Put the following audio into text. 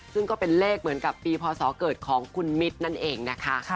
ซึ่งก็เป็นเลขเหมือนกับปีพศเกิดของคุณมิตรนั่นเองนะคะ